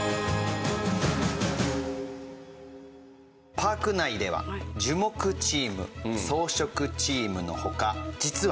パーク内では樹木チーム装飾チームの他実は。